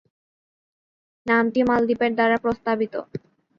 নামটি মালদ্বীপের দ্বারা প্রস্তাবিত।